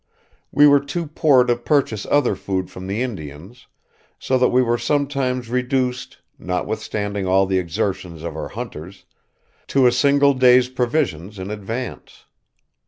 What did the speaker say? We were too poor to purchase other food from the Indians, so that we were sometimes reduced, notwithstanding all the exertions of our hunters, to a single day's provisions in advance.